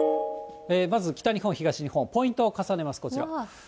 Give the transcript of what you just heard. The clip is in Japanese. まず北日本、東日本、ポイントを重ねます、こちら。